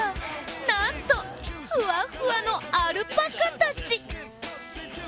なんと、ふわっふわのアルパカたち。